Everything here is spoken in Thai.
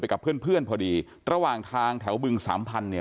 ไปกับเพื่อนพอดีระหว่างทางแถวบึงสามพันธุ์